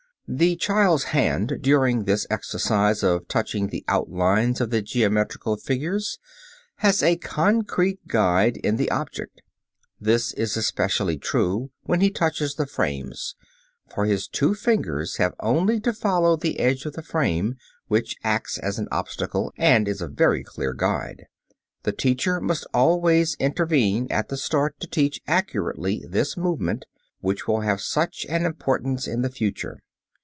The child's hand during this exercise of touching the outlines of the geometrical figures has a concrete guide in the object. This is especially true when he touches the frames, for his two fingers have only to follow the edge of the frame, which acts as an obstacle and is a very clear guide. The teacher must always intervene at the start to teach accurately this movement, which will have such an importance in the future.